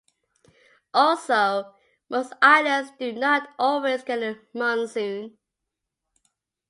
Also, most islands do not always get a monsoon.